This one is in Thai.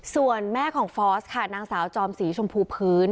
ส่วนแม่ของฟอสค่ะนางสาวจอมสีชมพูพื้น